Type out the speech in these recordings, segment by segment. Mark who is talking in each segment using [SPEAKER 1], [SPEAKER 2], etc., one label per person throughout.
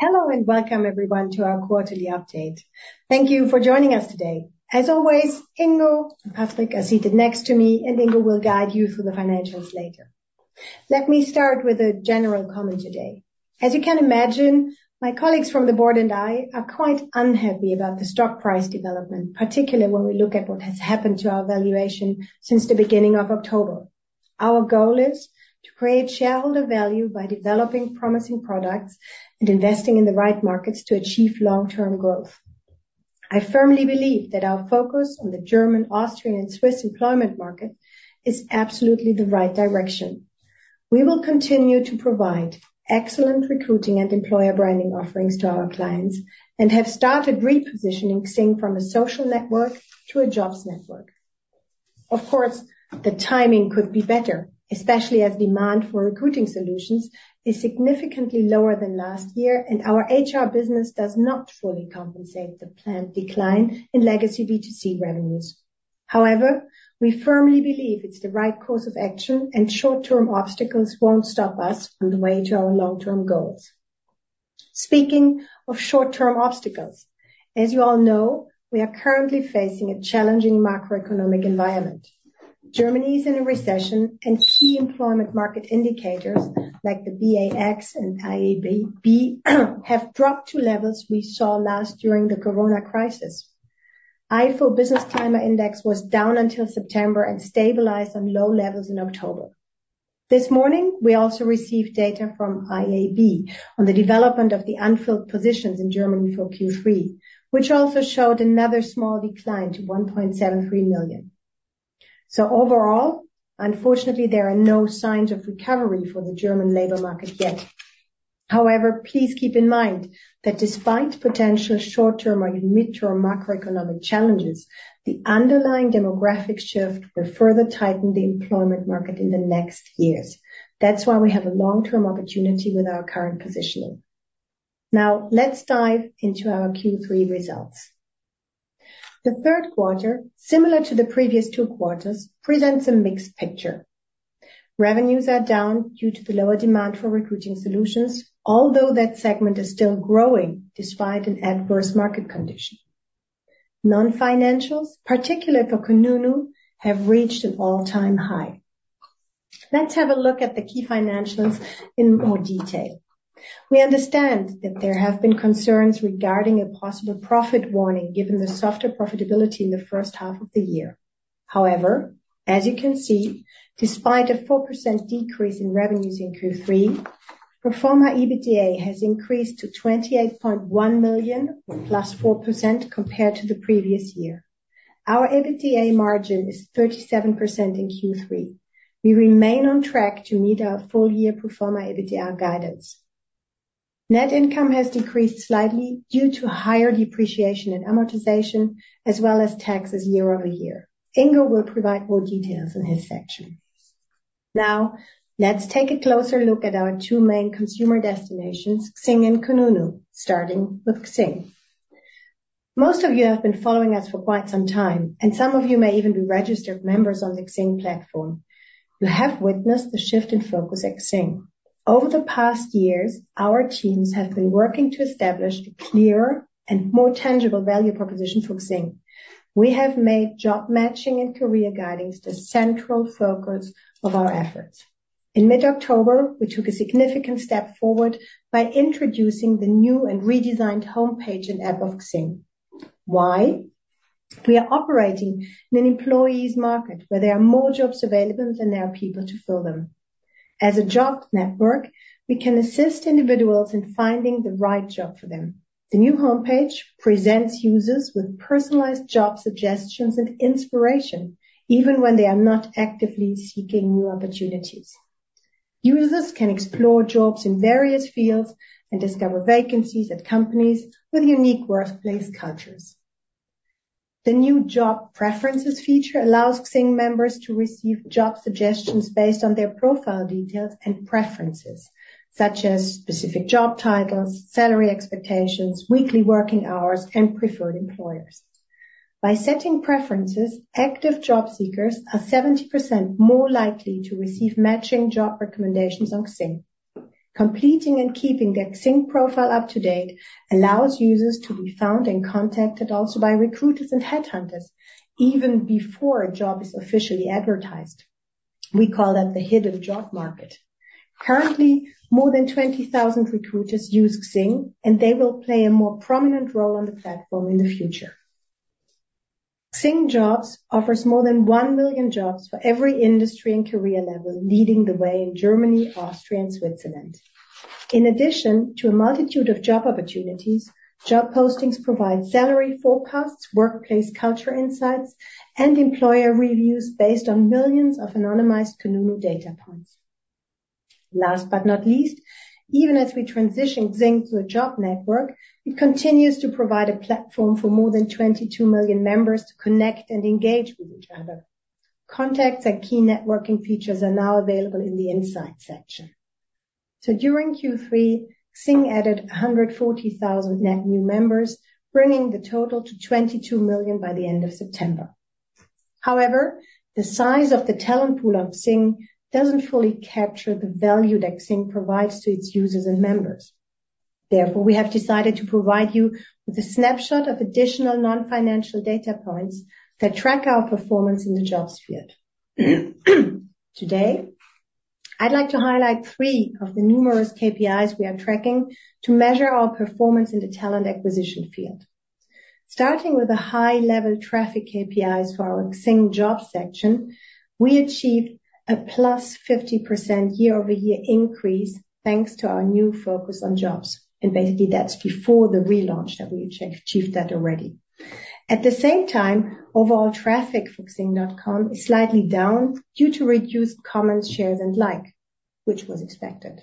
[SPEAKER 1] Hello, and welcome everyone to our quarterly update. Thank you for joining us today. As always, Ingo and Patrick are seated next to me, and Ingo will guide you through the financials later. Let me start with a general comment today. As you can imagine, my colleagues from the board and I are quite unhappy about the stock price development, particularly when we look at what has happened to our valuation since the beginning of October. Our goal is to create shareholder value by developing promising products and investing in the right markets to achieve long-term growth. I firmly believe that our focus on the German, Austrian, and Swiss employment market is absolutely the right direction. We will continue to provide excellent recruiting and employer branding offerings to our clients and have started repositioning XING from a social network to a jobs network. Of course, the timing could be better, especially as demand for recruiting solutions is significantly lower than last year, and our HR business does not fully compensate the planned decline in legacy B2C revenues. However, we firmly believe it's the right course of action, and short-term obstacles won't stop us on the way to our long-term goals. Speaking of short-term obstacles, as you all know, we are currently facing a challenging macroeconomic environment. Germany is in a recession, and key employment market indicators like the BA-X and IAB have dropped to levels we saw last during the Corona crisis. ifo Business Climate Index was down until September and stabilized on low levels in October. This morning, we also received data from IAB on the development of the unfilled positions in Germany for Q3, which also showed another small decline to 1.73 million. So overall, unfortunately, there are no signs of recovery for the German labor market yet. However, please keep in mind that despite potential short-term or mid-term macroeconomic challenges, the underlying demographic shift will further tighten the employment market in the next years. That's why we have a long-term opportunity with our current positioning. Now, let's dive into our Q3 results. The third quarter, similar to the previous two quarters, presents a mixed picture. Revenues are down due to the lower demand for recruiting solutions, although that segment is still growing despite an adverse market condition. Non-financial, particularly for kununu, have reached an all-time high. Let's have a look at the key financials in more detail. We understand that there have been concerns regarding a possible profit warning, given the softer profitability in the first half of the year. However, as you can see, despite a 4% decrease in revenues in Q3, Pro Forma EBITDA has increased to 28.1 million, +4% compared to the previous year. Our EBITDA margin is 37% in Q3. We remain on track to meet our full-year Pro Forma EBITDA guidance. Net income has decreased slightly due to higher depreciation and amortization, as well as taxes year-over-year. Ingo will provide more details in his section. Now, let's take a closer look at our two main consumer destinations, XING and kununu, starting with XING. Most of you have been following us for quite some time, and some of you may even be registered members on the XING platform. You have witnessed the shift in focus at XING. Over the past years, our teams have been working to establish a clearer and more tangible value proposition for XING. We have made job matching and career guidance the central focus of our efforts. In mid-October, we took a significant step forward by introducing the new and redesigned homepage and app of XING. Why? We are operating in an employee's market where there are more jobs available than there are people to fill them. As a job network, we can assist individuals in finding the right job for them. The new homepage presents users with personalized job suggestions and inspiration, even when they are not actively seeking new opportunities. Users can explore jobs in various fields and discover vacancies at companies with unique workplace cultures. The new job preferences feature allows XING members to receive job suggestions based on their profile details and preferences, such as specific job titles, salary expectations, weekly working hours, and preferred employers. By setting preferences, active job seekers are 70% more likely to receive matching job recommendations on XING. Completing and keeping their XING profile up to date allows users to be found and contacted also by recruiters and headhunters, even before a job is officially advertised. We call that the hidden job market. Currently, more than 20,000 recruiters use XING, and they will play a more prominent role on the platform in the future. XING Jobs offers more than 1 million jobs for every industry and career level, leading the way in Germany, Austria, and Switzerland. In addition to a multitude of job opportunities, job postings provide salary forecasts, workplace culture insights, and employer reviews based on millions of anonymized kununu data points. Last but not least, even as we transition XING to a job network, it continues to provide a platform for more than 22 million members to connect and engage with each other. Contacts and key networking features are now available in the insight section. So during Q3, XING added 140,000 net new members, bringing the total to 22 million by the end of September. However, the size of the talent pool of XING doesn't fully capture the value that XING provides to its users and members. Therefore, we have decided to provide you with a snapshot of additional non-financial data points that track our performance in the jobs field. Today, I'd like to highlight three of the numerous KPIs we are tracking to measure our performance in the talent acquisition field. Starting with the high-level traffic KPIs for our XING job section, we achieved a +50% year-over-year increase, thanks to our new focus on jobs, and basically, that's before the relaunch that we achieved that already. At the same time, overall traffic for XING.com is slightly down due to reduced comments, shares, and likes, which was expected.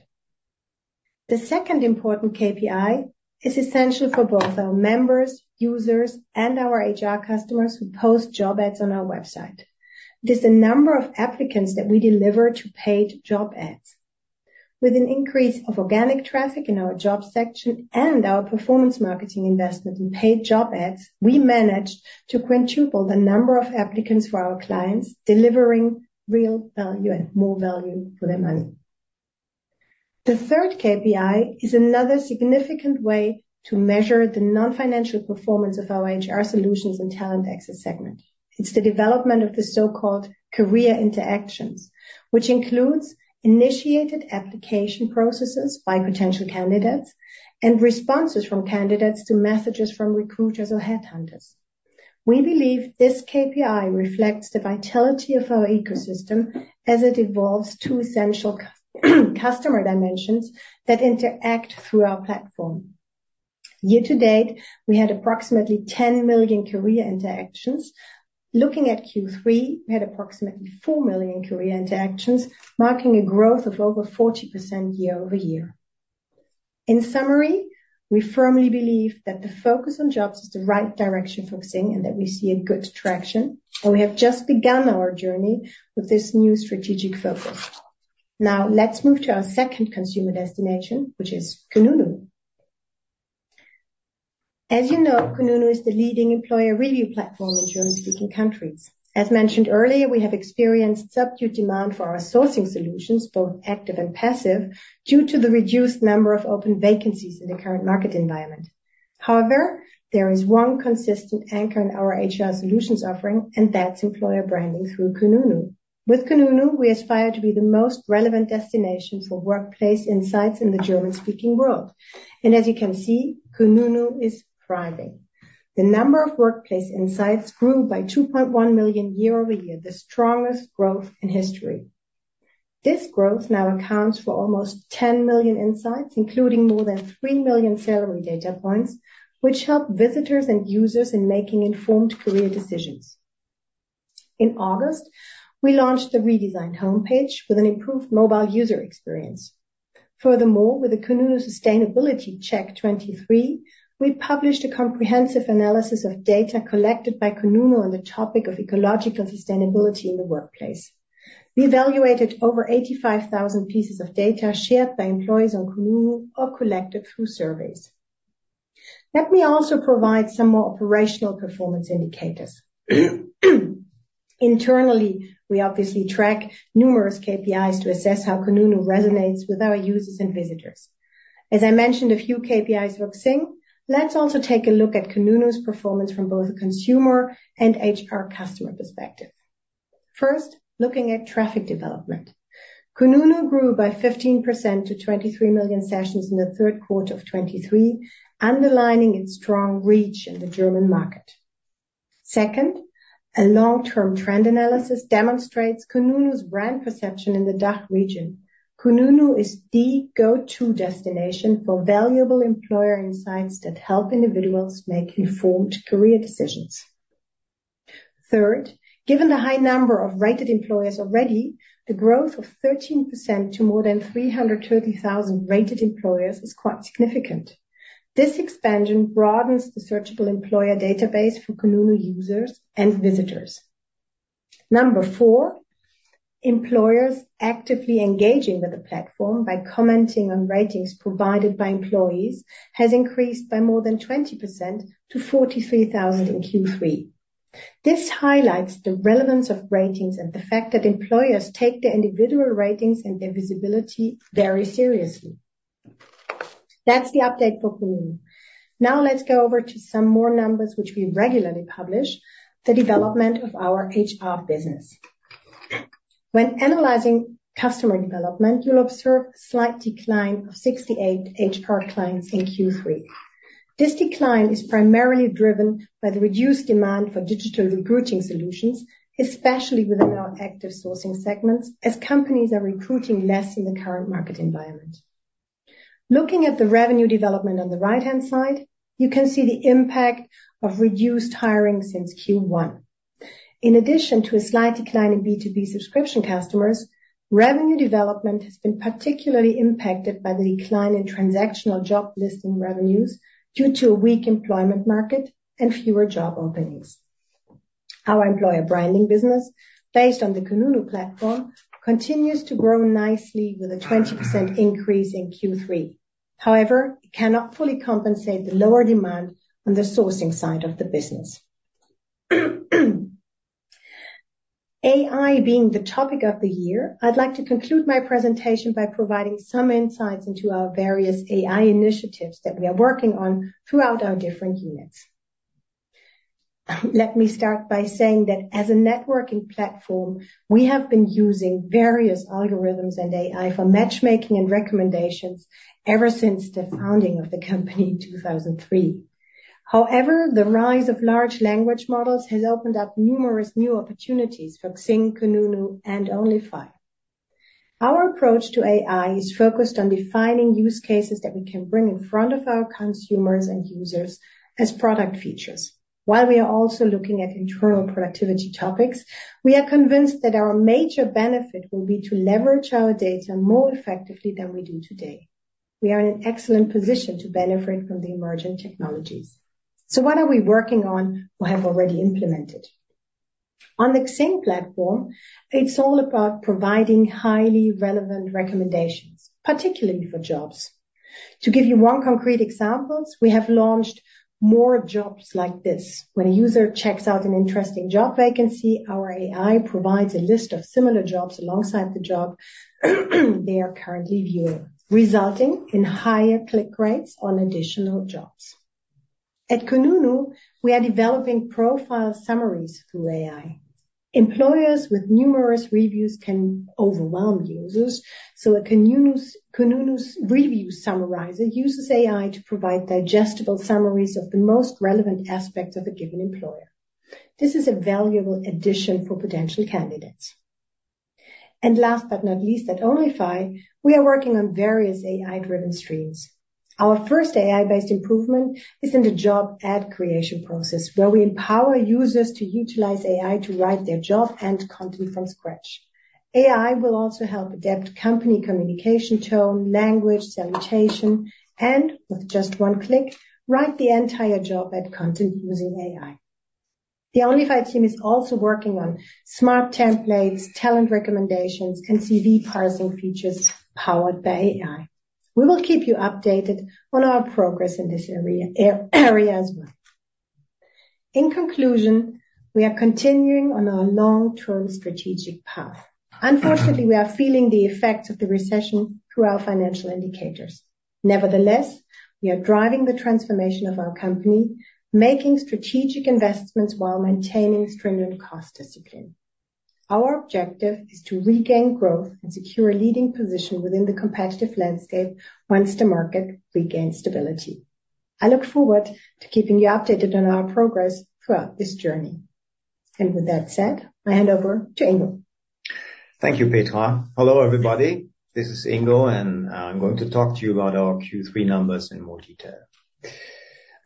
[SPEAKER 1] The second important KPI is essential for both our members, users, and our HR customers who post job ads on our website. It is the number of applicants that we deliver to paid job ads. With an increase of organic traffic in our job section and our performance marketing investment in paid job ads, we managed to quintuple the number of applicants for our clients, delivering real value and more value for their money. The third KPI is another significant way to measure the non-financial performance of our HR solutions and talent access segment. It's the development of the so-called career interactions, which includes initiated application processes by potential candidates and responses from candidates to messages from recruiters or headhunters. We believe this KPI reflects the vitality of our ecosystem as it evolves two essential customer dimensions that interact through our platform. Year to date, we had approximately 10 million career interactions. Looking at Q3, we had approximately 4 million career interactions, marking a growth of over 40% year-over-year. In summary, we firmly believe that the focus on jobs is the right direction for XING, and that we see a good traction, and we have just begun our journey with this new strategic focus. Now, let's move to our second consumer destination, which is kununu. As you know, Kununu is the leading employer review platform in German-speaking countries. As mentioned earlier, we have experienced subdued demand for our sourcing solutions, both active and passive, due to the reduced number of open vacancies in the current market environment. However, there is one consistent anchor in our HR solutions offering, and that's employer branding through Kununu. With Kununu, we aspire to be the most relevant destination for workplace insights in the German-speaking world. As you can see, Kununu is thriving. The number of workplace insights grew by 2.1 million year-over-year, the strongest growth in history. This growth now accounts for almost 10 million insights, including more than 3 million salary data points, which help visitors and users in making informed career decisions. In August, we launched the redesigned homepage with an improved mobile user experience. Furthermore, with the Kununu Sustainability Check 2023, we published a comprehensive analysis of data collected by Kununu on the topic of ecological sustainability in the workplace. We evaluated over 85,000 pieces of data shared by employees on Kununu or collected through surveys. Let me also provide some more operational performance indicators. Internally, we obviously track numerous KPIs to assess how Kununu resonates with our users and visitors. As I mentioned, a few KPIs for XING, let's also take a look at Kununu's performance from both a consumer and HR customer perspective. First, looking at traffic development. Kununu grew by 15% to 23 million sessions in the third quarter of 2023, underlining its strong reach in the German market. Second, a long-term trend analysis demonstrates Kununu's brand perception in the DACH region. Kununu is the go-to destination for valuable employer insights that help individuals make informed career decisions. Third, given the high number of rated employers already, the growth of 13% to more than 330,000 rated employers is quite significant. This expansion broadens the searchable employer database for kununu users and visitors. Number four, employers actively engaging with the platform by commenting on ratings provided by employees, has increased by more than 20% to 43,000 in Q3. This highlights the relevance of ratings and the fact that employers take their individual ratings and their visibility very seriously. That's the update for kununu. Now, let's go over to some more numbers, which we regularly publish, the development of our HR business. When analyzing customer development, you'll observe a slight decline of 68 HR clients in Q3. This decline is primarily driven by the reduced demand for digital recruiting solutions, especially within our active sourcing segments, as companies are recruiting less in the current market environment. Looking at the revenue development on the right-hand side, you can see the impact of reduced hiring since Q1. In addition to a slight decline in B2B subscription customers, revenue development has been particularly impacted by the decline in transactional job listing revenues due to a weak employment market and fewer job openings. Our employer branding business, based on the kununu platform, continues to grow nicely with a 20% increase in Q3. However, it cannot fully compensate the lower demand on the sourcing side of the business. AI being the topic of the year, I'd like to conclude my presentation by providing some insights into our various AI initiatives that we are working on throughout our different units. Let me start by saying that as a networking platform, we have been using various algorithms and AI for matchmaking and recommendations ever since the founding of the company in 2003. However, the rise of Large Language Models has opened up numerous new opportunities for XING, kununu, and onlyfy. Our approach to AI is focused on defining use cases that we can bring in front of our consumers and users as product features. While we are also looking at internal productivity topics, we are convinced that our major benefit will be to leverage our data more effectively than we do today. We are in an excellent position to benefit from the emerging technologies. So what are we working on or have already implemented? On the XING platform, it's all about providing highly relevant recommendations, particularly for jobs. To give you one concrete example, we have launched more jobs like this. When a user checks out an interesting job vacancy, our AI provides a list of similar jobs alongside the job they are currently viewing, resulting in higher click rates on additional jobs. At kununu, we are developing profile summaries through AI. Employers with numerous reviews can overwhelm users, so a kununu's review summarizer uses AI to provide digestible summaries of the most relevant aspects of a given employer. This is a valuable addition for potential candidates. And last but not least, at onlyfy, we are working on various AI-driven streams. Our first AI-based improvement is in the job ad creation process, where we empower users to utilize AI to write their job and content from scratch. AI will also help adapt company communication, tone, language, salutation, and with just one click, write the entire job ad content using AI. The onlyfy team is also working on smart templates, talent recommendations, and CV parsing features powered by AI. We will keep you updated on our progress in this area as well. In conclusion, we are continuing on our long-term strategic path. Unfortunately, we are feeling the effects of the recession through our financial indicators. Nevertheless, we are driving the transformation of our company, making strategic investments while maintaining stringent cost discipline. Our objective is to regain growth and secure a leading position within the competitive landscape once the market regains stability. I look forward to keeping you updated on our progress throughout this journey. With that said, I hand over to Ingo.
[SPEAKER 2] Thank you, Petra. Hello, everybody. This is Ingo, and I'm going to talk to you about our Q3 numbers in more detail.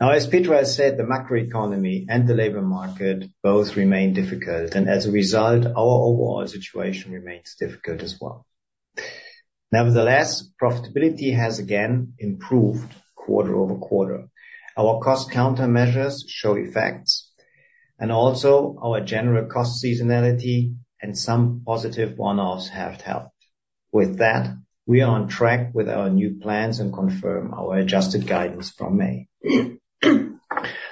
[SPEAKER 2] Now, as Petra has said, the macroeconomy and the labor market both remain difficult, and as a result, our overall situation remains difficult as well. Nevertheless, profitability has again improved quarter-over-quarter. Our cost countermeasures show effects and also our general cost seasonality and some positive one-offs have helped. With that, we are on track with our new plans and confirm our adjusted guidance from May.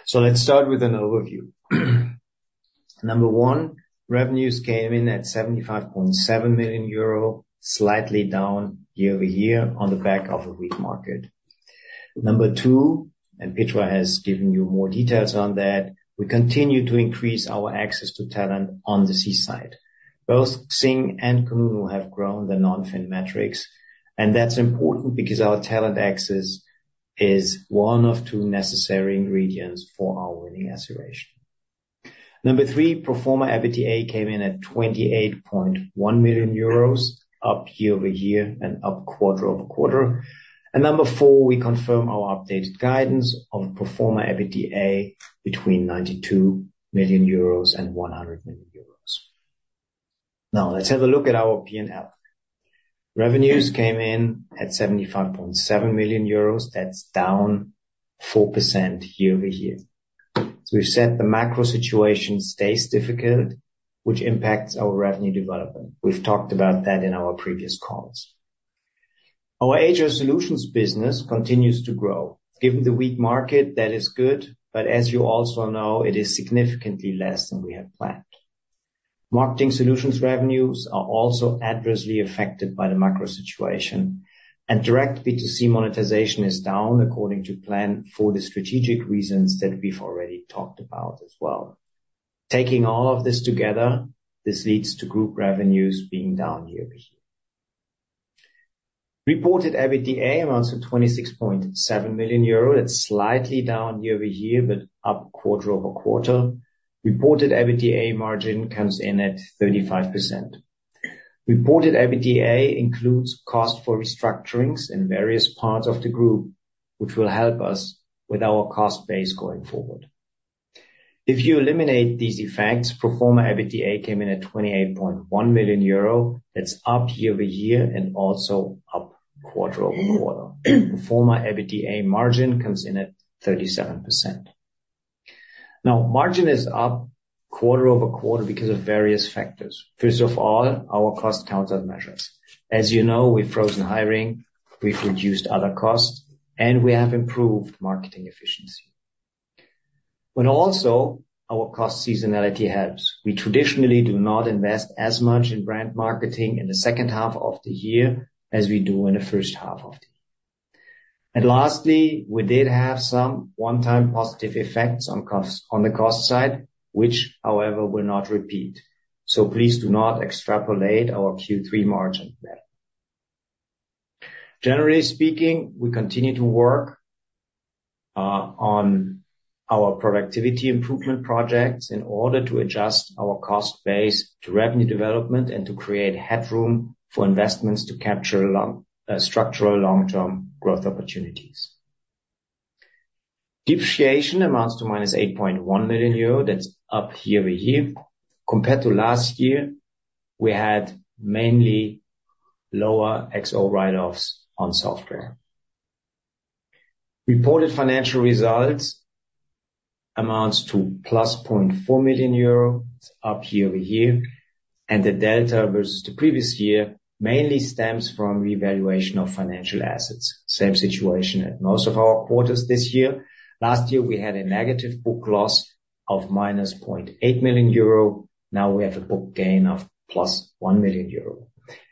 [SPEAKER 2] So let's start with an overview. Number one, revenues came in at 75.7 million euro, slightly down year-over-year on the back of a weak market. Number two, and Petra has given you more details on that, we continue to increase our access to talent on the C side. Both XING and kununu have grown their non-fin metrics, and that's important because our talent access is one of two necessary ingredients for our winning acceleration. Number three, Pro Forma EBITDA came in at 28.1 million euros, up year-over-year and up quarter-over-quarter. Number four, we confirm our updated guidance of Pro Forma EBITDA between 92 million-100 million euros. Now, let's have a look at our PnL. Revenues came in at 75.7 million euros. That's down 4% year-over-year. So we've said the macro situation stays difficult, which impacts our revenue development. We've talked about that in our previous calls. Our HR solutions business continues to grow. Given the weak market, that is good, but as you also know, it is significantly less than we had planned. Marketing solutions revenues are also adversely affected by the macro situation, and direct B2C monetization is down according to plan for the strategic reasons that we've already talked about as well. Taking all of this together, this leads to group revenues being down year-over-year. Reported EBITDA amounts to 26.7 million euro. That's slightly down year-over-year, but up quarter-over-quarter. Reported EBITDA margin comes in at 35%. Reported EBITDA includes cost for restructurings in various parts of the group, which will help us with our cost base going forward. If you eliminate these effects, Pro Forma EBITDA came in at 28.1 million euro. That's up year-over-year and also up quarter-over-quarter. Pro Forma EBITDA margin comes in at 37%. Now, margin is up quarter-over-quarter because of various factors. First of all, our cost counter measures. As you know, we've frozen hiring, we've reduced other costs, and we have improved marketing efficiency. But also, our cost seasonality helps. We traditionally do not invest as much in brand marketing in the second half of the year as we do in the first half of the year. And lastly, we did have some one-time positive effects on costs, on the cost side, which, however, will not repeat. So please do not extrapolate our Q3 margin better. Generally speaking, we continue to work on our productivity improvement projects in order to adjust our cost base to revenue development and to create headroom for investments to capture long structural long-term growth opportunities. Depreciation amounts to -8.1 million euro. That's up year-over-year. Compared to last year, we had mainly lower XO write-offs on software. Reported financial results amounts to +0.4 million euros, up year-over-year, and the delta versus the previous year mainly stems from revaluation of financial assets. Same situation at most of our quarters this year. Last year, we had a negative book loss of -0.8 million euro. Now we have a book gain of +1 million euro.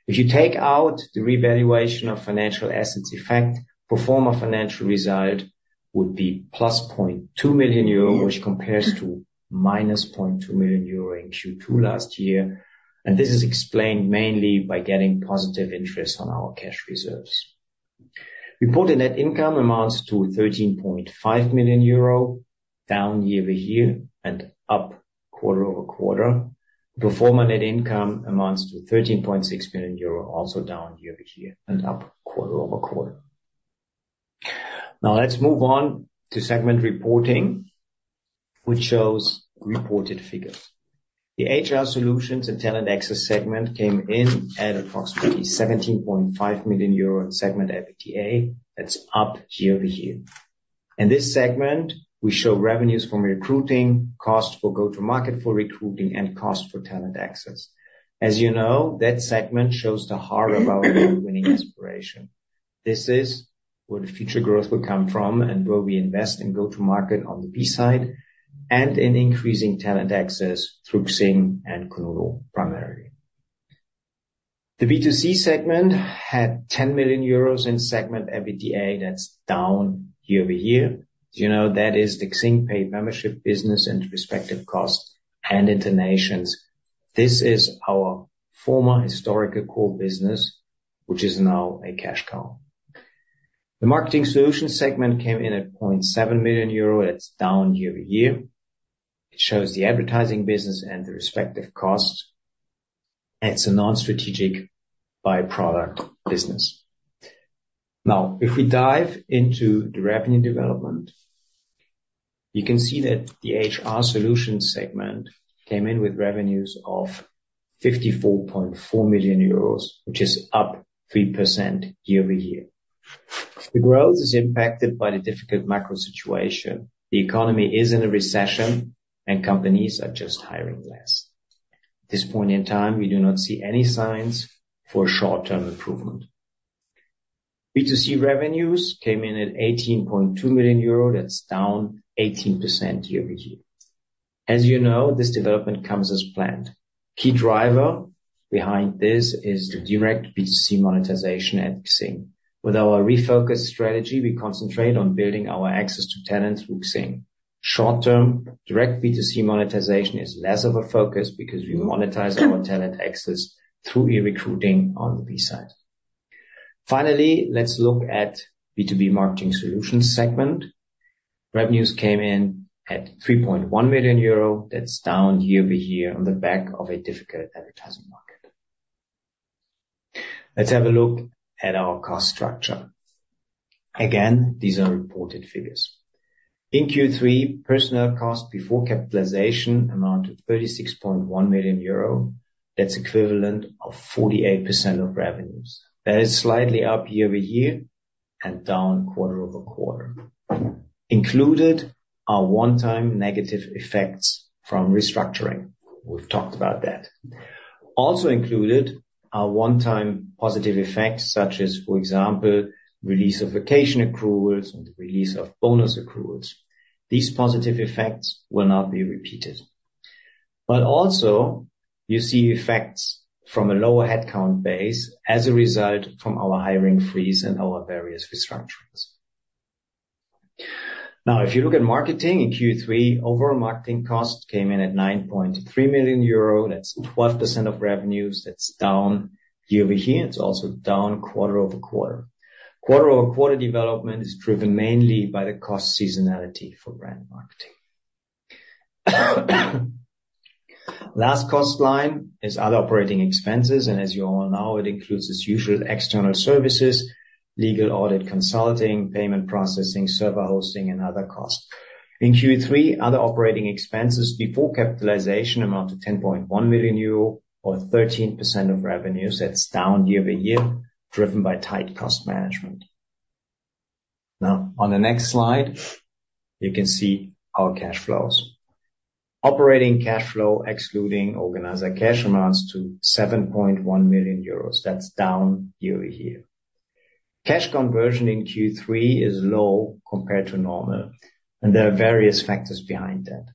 [SPEAKER 2] If you take out the revaluation of financial assets effect, pro forma financial result would be +0.2 million euro, which compares to -0.2 million euro in Q2 last year, and this is explained mainly by getting positive interest on our cash reserves. Reported net income amounts to 13.5 million euro, down year-over-year, and up quarter-over-quarter. Pro forma net income amounts to 13.6 million euro, also down year-over-year, and up quarter-over-quarter. Now, let's move on to segment reporting, which shows reported figures. The HR solutions and talent access segment came in at approximately EUR 17.5 million in segment EBITDA. That's up year-over-year. In this segment, we show revenues from recruiting, cost for go-to-market for recruiting, and cost for talent access. As you know, that segment shows the heart of our winning inspiration. This is where the future growth will come from and where we invest in go-to-market on the B side, and in increasing talent access through XING and kununu, primarily. The B2C segment had 10 million euros in segment EBITDA. That's down year-over-year. As you know, that is the XING paid membership business and respective costs and allocations. This is our former historical core business, which is now a cash cow. The marketing solutions segment came in at 0.7 million euro. That's down year-over-year. It shows the advertising business and the respective costs. It's a non-strategic by-product business. Now, if we dive into the revenue development, you can see that the HR solutions segment came in with revenues of 54.4 million euros, which is up 3% year-over-year. The growth is impacted by the difficult macro situation. The economy is in a recession, and companies are just hiring less. At this point in time, we do not see any signs for short-term improvement. B2C revenues came in at 18.2 million euro. That's down 18% year-over-year. As you know, this development comes as planned. Key driver behind this is the direct B2C monetization at XING. With our refocused strategy, we concentrate on building our access to talent through XING. Short term, direct B2C monetization is less of a focus because we monetize our talent access through e-recruiting on the B side. Finally, let's look at B2B marketing solutions segment. Revenues came in at 3.1 million euro. That's down year-over-year on the back of a difficult advertising market. Let's have a look at our cost structure. Again, these are reported figures. In Q3, personnel costs before capitalization amounted to 36.1 million euro. That's equivalent to 48% of revenues. That is slightly up year-over-year, and down quarter-over-quarter. Included are one-time negative effects from restructuring. We've talked about that. Also included are one-time positive effects, such as, for example, release of vacation accruals and the release of bonus accruals. These positive effects will not be repeated. But also, you see effects from a lower headcount base as a result from our hiring freeze and our various restructurings. Now, if you look at marketing in Q3, overall marketing costs came in at 9.3 million euro. That's 12% of revenues. That's down year-over-year. It's also down quarter-over-quarter. Quarter-over-quarter development is driven mainly by the cost seasonality for brand marketing. Last cost line is other operating expenses, and as you all know, it includes, as usual, external services, legal audit, consulting, payment processing, server hosting, and other costs. In Q3, other operating expenses before capitalization amount to 10.1 million euro or 13% of revenues. That's down year-over-year, driven by tight cost management. Now, on the next slide, you can see our cash flows. Operating Cash Flow, excluding organizer cash, amounts to 7.1 million euros. That's down year-over-year. Cash conversion in Q3 is low compared to normal, and there are various factors behind that.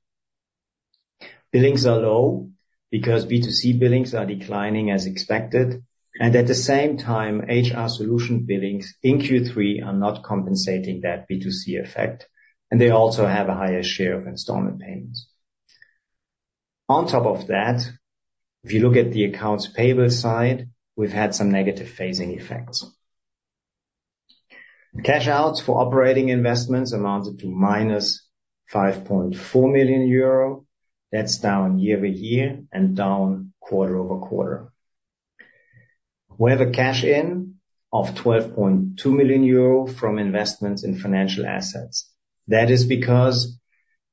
[SPEAKER 2] Billings are low because B2C billings are declining as expected, and at the same time, HR solution billings in Q3 are not compensating that B2C effect, and they also have a higher share of installment payments. On top of that, if you look at the accounts payable side, we've had some negative phasing effects. Cash outs for operating investments amounted to -5.4 million euro. That's down year-over-year and down quarter-over-quarter. We have a cash in of 12.2 million euro from investments in financial assets. That is because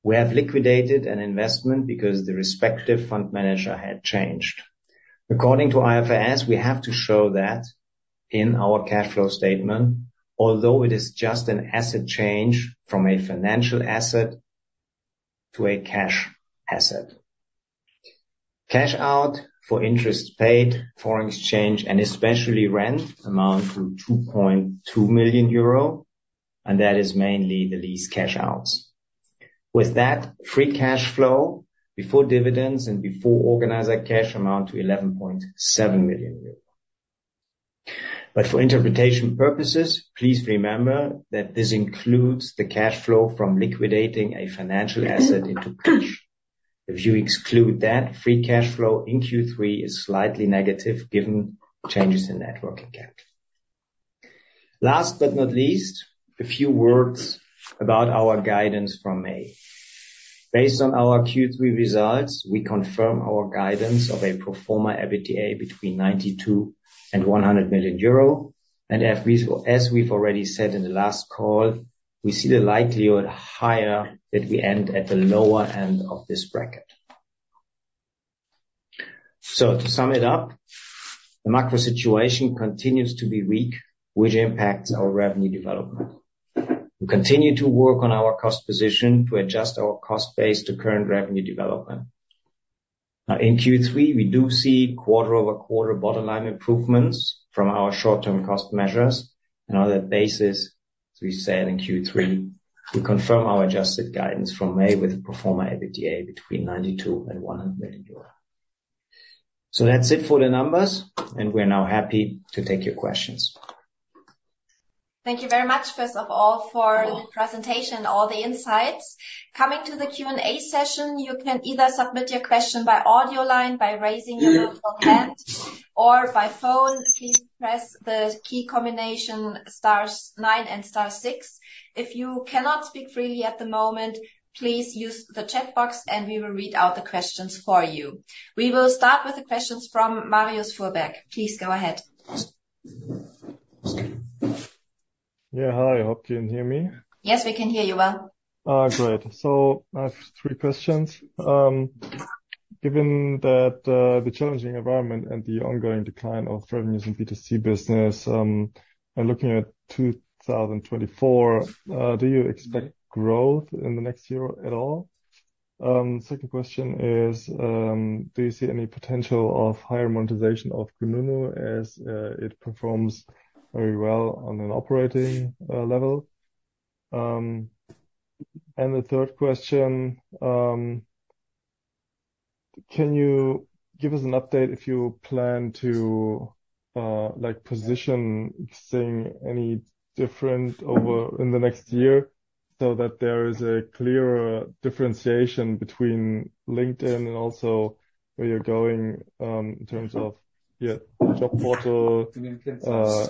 [SPEAKER 2] we have liquidated an investment because the respective fund manager had changed. According to IFRS, we have to show that in our cash flow statement, although it is just an asset change from a financial asset to a cash asset. Cash out for interest paid, foreign exchange, and especially rent, amount to 2.2 million euro, and that is mainly the lease cash outs. With that, free cash flow before dividends and before organizer cash amount to 11.7 million euros. But for interpretation purposes, please remember that this includes the cash flow from liquidating a financial asset into cash. If you exclude that, free cash flow in Q3 is slightly negative, given changes in working capital. Last but not least, a few words about our guidance from May. Based on our Q3 results, we confirm our guidance of a Pro Forma EBITDA between 92 million and 100 million euro. And as we, as we've already said in the last call, we see the likelihood higher that we end at the lower end of this bracket. So to sum it up, the macro situation continues to be weak, which impacts our revenue development. We continue to work on our cost position to adjust our cost base to current revenue development. Now, in Q3, we do see quarter-over-quarter bottom line improvements from our short-term cost measures. And on that basis, as we said in Q3, we confirm our adjusted guidance from May with Pro Forma EBITDA between 92 million and 100 million euros. So that's it for the numbers, and we're now happy to take your questions.
[SPEAKER 3] Thank you very much, first of all, for the presentation and all the insights. Coming to the Q&A session, you can either submit your question by audio line, by raising your virtual hand or by phone. Please press the key combination star nine and star six. If you cannot speak freely at the moment, please use the chat box and we will read out the questions for you. We will start with the questions from Marius Fuhrberg. Please, go ahead.
[SPEAKER 4] Yeah. Hi, hope you can hear me.
[SPEAKER 3] Yes, we can hear you well.
[SPEAKER 4] Great. So I have three questions. Given that, the challenging environment and the ongoing decline of revenues in B2C business, and looking at 2024, do you expect growth in the next year at all? Second question is, do you see any potential of higher monetization of Kununu as it performs very well on an operating level? And the third question, can you give us an update if you plan to, like, position XING any different over in the next year, so that there is a clearer differentiation between LinkedIn and also where you're going, in terms of, yeah, job portal-
[SPEAKER 2] LinkedIn.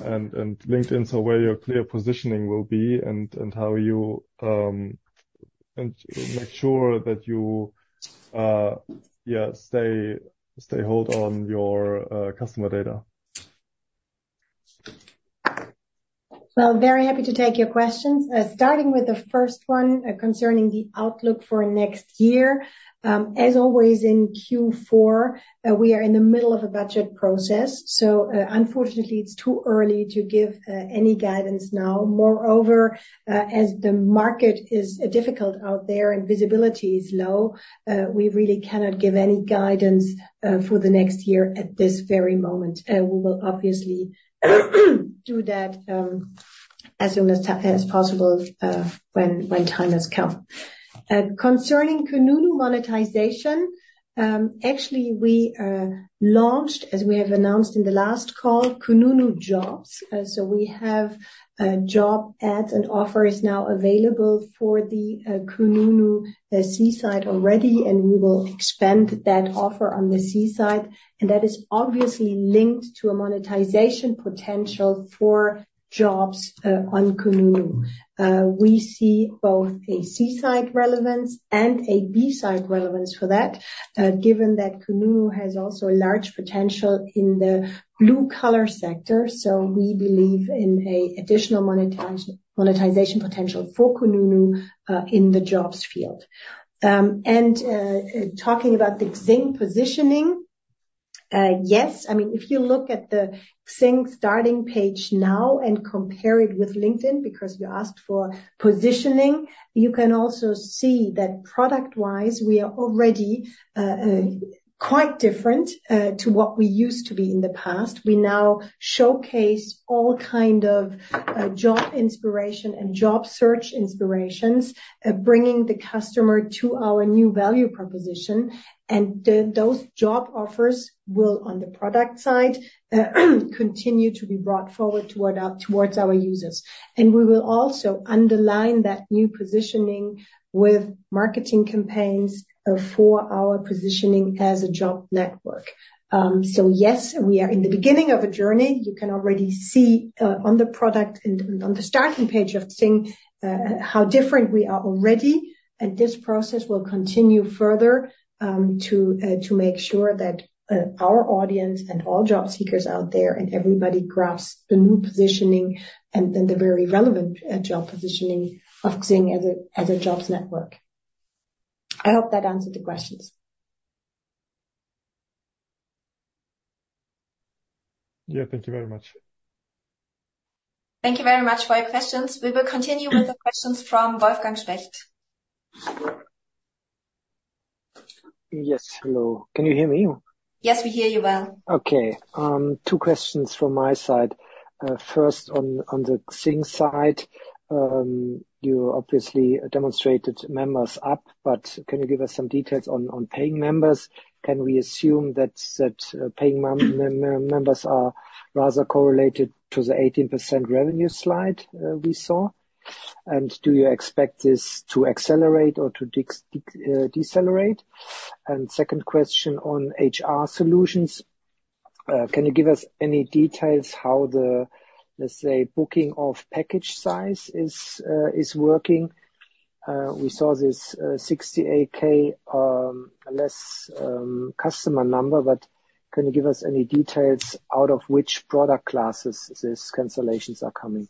[SPEAKER 4] and LinkedIn, so where your clear positioning will be and how you make sure that you stay hold on your customer data?
[SPEAKER 1] Well, very happy to take your questions. Starting with the first one, concerning the outlook for next year. As always, in Q4, we are in the middle of a budget process, so, unfortunately, it's too early to give any guidance now. Moreover, as the market is difficult out there and visibility is low, we really cannot give any guidance for the next year at this very moment. We will obviously do that as soon as possible, when time has come. Concerning kununu monetization, actually, we launched, as we have announced in the last call, Kununu Jobs. So we have job ads and offers now available for the kununu C-side already, and we will expand that offer on the C-side, and that is obviously linked to a monetization potential for jobs on kununu. We see both a C-side relevance and a B-side relevance for that, given that kununu has also a large potential in the blue-collar sector. So we believe in a additional monetization potential for kununu in the jobs field. And talking about the XING positioning, Yes. I mean, if you look at the XING starting page now and compare it with LinkedIn, because you asked for positioning, you can also see that product-wise, we are already, quite different, to what we used to be in the past. We now showcase all kind of, job inspiration and job search inspirations, bringing the customer to our new value proposition. And the, those job offers will, on the product side, continue to be brought forward toward, towards our users. And we will also underline that new positioning with marketing campaigns, for our positioning as a job network. So, yes, we are in the beginning of a journey. You can already see, on the product and, and on the starting page of XING, how different we are already. This process will continue further to make sure that our audience and all job seekers out there and everybody grasps the new positioning and the very relevant job positioning of XING as a jobs network. I hope that answered the questions.
[SPEAKER 4] Yeah. Thank you very much.
[SPEAKER 3] Thank you very much for your questions. We will continue with the questions from Wolfgang Specht.
[SPEAKER 5] Yes, hello. Can you hear me?
[SPEAKER 3] Yes, we hear you well.
[SPEAKER 5] Okay. Two questions from my side. First, on the XING side, you obviously demonstrated members up, but can you give us some details on paying members? Can we assume that paying members are rather correlated to the 18% revenue slide we saw? And do you expect this to accelerate or to decelerate? And second question on HR solutions, can you give us any details how the, let's say, booking of package size is working? We saw this 68K less customer number, but can you give us any details out of which product classes these cancellations are coming?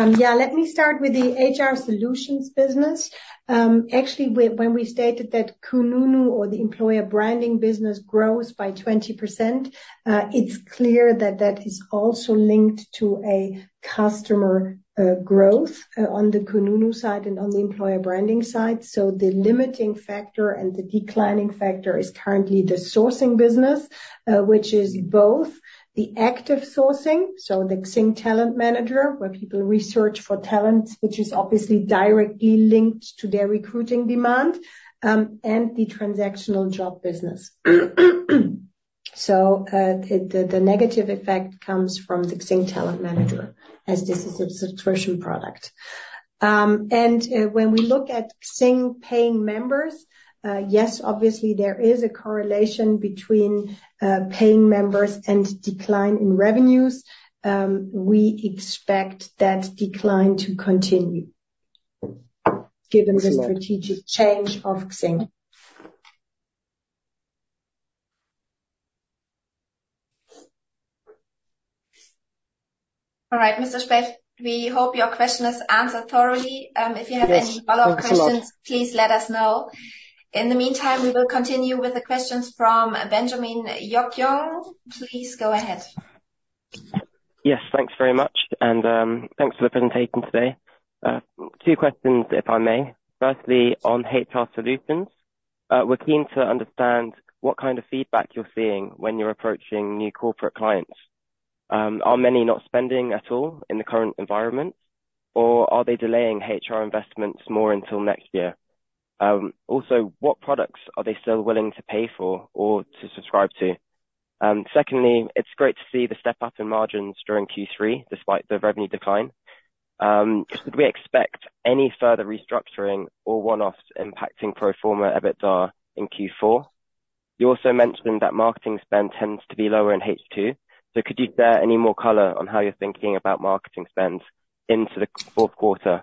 [SPEAKER 1] Yeah, let me start with the HR solutions business. Actually, when we stated that kununu or the employer branding business grows by 20%, it's clear that that is also linked to a customer growth on the kununu side and on the employer branding side. So the limiting factor and the declining factor is currently the sourcing business, which is both the active sourcing, so the XING TalentManager, where people research for talents, which is obviously directly linked to their recruiting demand, and the transactional job business. So, the negative effect comes from the XING TalentManager, as this is a subscription product. And when we look at XING paying members, yes, obviously there is a correlation between paying members and decline in revenues. We expect that decline to continue given the strategic change of XING.
[SPEAKER 3] All right, Mr. Specht, we hope your question is answered thoroughly. If you have any-
[SPEAKER 5] Yes, thanks a lot.
[SPEAKER 3] Follow-up questions, please let us know. In the meantime, we will continue with the questions from Benjamin Yokyong. Please go ahead.
[SPEAKER 6] Yes, thanks very much. Thanks for the presentation today. Two questions, if I may. Firstly, on HR solutions, we're keen to understand what kind of feedback you're seeing when you're approaching new corporate clients. Are many not spending at all in the current environment, or are they delaying HR investments more until next year? Also, what products are they still willing to pay for or to subscribe to? Secondly, it's great to see the step up in margins during Q3, despite the revenue decline. Should we expect any further restructuring or one-offs impacting Pro Forma EBITDA in Q4? You also mentioned that marketing spend tends to be lower in H2. So could you share any more color on how you're thinking about marketing spend into the fourth quarter?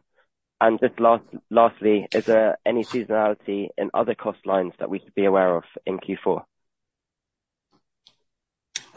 [SPEAKER 6] Lastly, is there any seasonality in other cost lines that we should be aware of in Q4?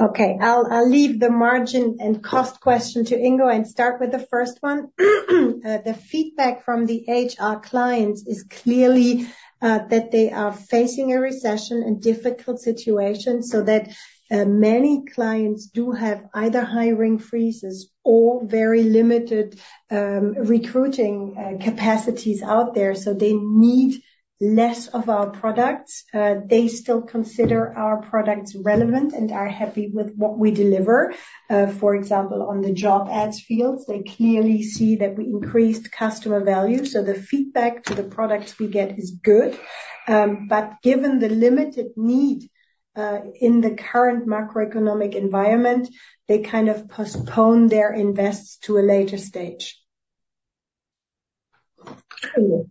[SPEAKER 1] Okay, I'll leave the margin and cost question to Ingo and start with the first one. The feedback from the HR clients is clearly that they are facing a recession and difficult situation, so that many clients do have either hiring freezes or very limited recruiting capacities out there, so they need less of our products. They still consider our products relevant and are happy with what we deliver. For example, on the job ads fields, they clearly see that we increased customer value, so the feedback to the products we get is good. But given the limited need in the current macroeconomic environment, they kind of postpone their invests to a later stage.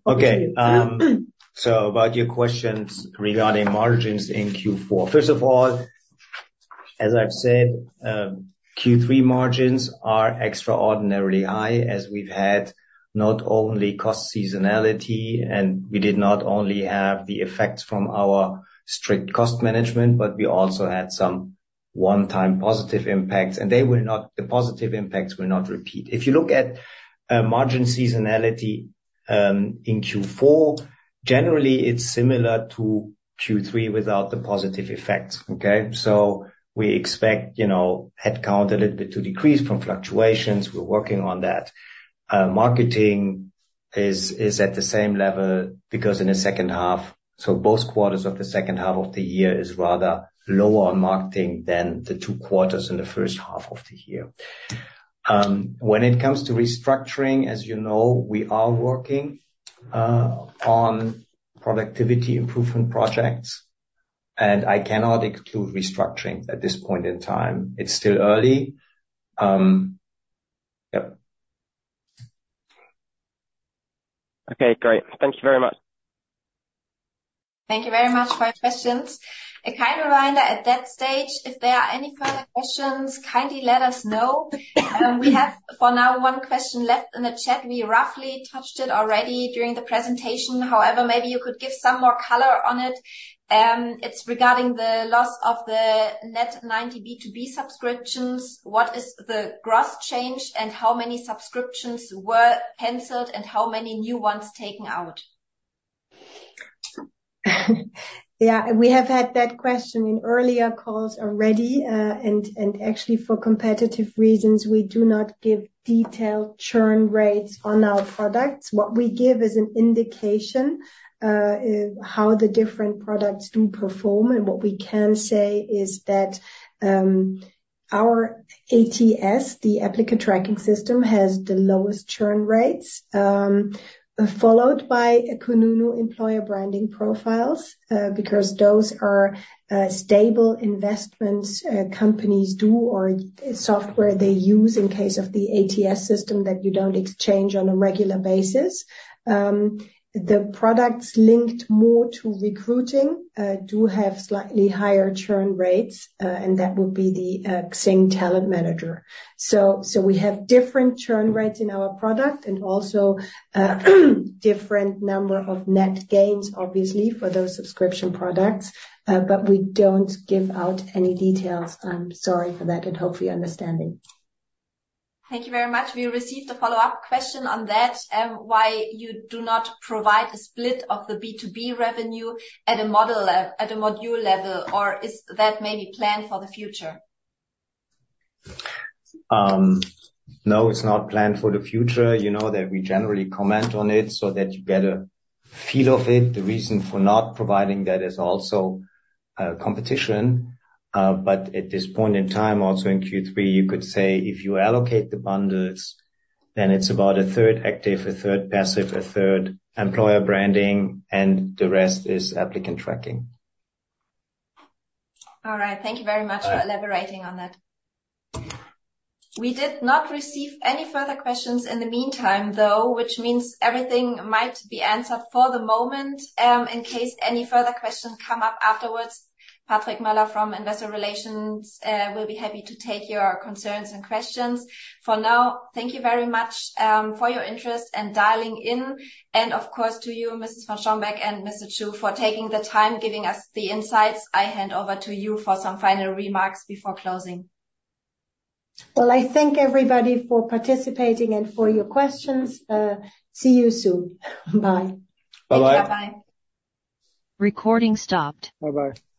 [SPEAKER 2] Okay. So about your questions regarding margins in Q4. First of all, as I've said, Q3 margins are extraordinarily high, as we've had not only cost seasonality, and we did not only have the effects from our strict cost management, but we also had some one-time positive impacts, and they will not, the positive impacts will not repeat. If you look at, margin seasonality, in Q4, generally it's similar to Q3 without the positive effects, okay? So we expect, you know, headcount a little bit to decrease from fluctuations. We're working on that. Marketing is at the same level because in the second half, so both quarters of the second half of the year is rather lower on marketing than the two quarters in the first half of the year. When it comes to restructuring, as you know, we are working on productivity improvement projects, and I cannot exclude restructuring at this point in time. It's still early. Yep.
[SPEAKER 6] Okay, great. Thank you very much.
[SPEAKER 3] Thank you very much for your questions. A kind reminder at that stage, if there are any further questions, kindly let us know. We have for now one question left in the chat. We roughly touched it already during the presentation. However, maybe you could give some more color on it. It's regarding the loss of the net 90 B2B subscriptions. What is the gross change, and how many subscriptions were canceled, and how many new ones taken out?
[SPEAKER 1] Yeah, we have had that question in earlier calls already. Actually, for competitive reasons, we do not give detailed churn rates on our products. What we give is an indication, how the different products do perform, and what we can say is that, our ATS, the Applicant Tracking System, has the lowest churn rates, followed by kununu employer branding profiles. Because those are stable investments, companies do or software they use in case of the ATS system that you don't exchange on a regular basis. The products linked more to recruiting do have slightly higher churn rates, and that would be the XING TalentManager. We have different churn rates in our product and also different number of net gains, obviously, for those subscription products, but we don't give out any details. I'm sorry for that, and hopefully you understand it.
[SPEAKER 3] Thank you very much. We received a follow-up question on that, why you do not provide a split of the B2B revenue at a model at a module level, or is that maybe planned for the future?
[SPEAKER 2] No, it's not planned for the future. You know that we generally comment on it so that you get a feel of it. The reason for not providing that is also, competition. But at this point in time, also in Q3, you could say if you allocate the bundles, then it's about a third active, a third passive, a third employer branding, and the rest is applicant tracking.
[SPEAKER 3] All right. Thank you very much for elaborating on that. We did not receive any further questions in the meantime, though, which means everything might be answered for the moment. In case any further questions come up afterwards, Patrick Möller from Investor Relations will be happy to take your concerns and questions. For now, thank you very much for your interest and dialing in, and of course, to you, Mrs. von Strombeck and Mr. Chu, for taking the time, giving us the insights. I hand over to you for some final remarks before closing.
[SPEAKER 1] Well, I thank everybody for participating and for your questions. See you soon. Bye.
[SPEAKER 2] Bye-bye.
[SPEAKER 3] Bye-bye. Recording stopped.
[SPEAKER 2] Bye-bye.